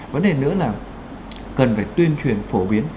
vấn đề nữa là cần phải tuyên truyền phổ biến